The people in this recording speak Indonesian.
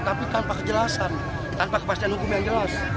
tapi tanpa kejelasan tanpa kepastian hukum yang jelas